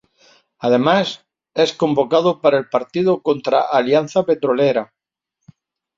Además, es convocado para el partido contra Alianza Petrolera.